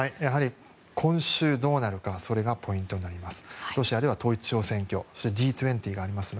今週どうなるかそれがポイントになります。